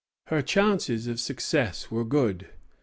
Her chances of success were good.